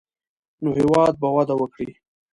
نو هېواد به وده وکړي.